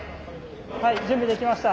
はい準備できました。